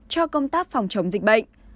cho công tác phòng chống dịch bệnh